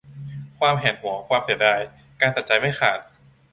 ความแหนหวง ความเสียดาย การตัดใจไม่ขาด